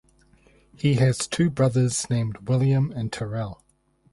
He has two brothers named William and Terrell.